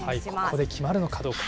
ここで決まるのかどうか。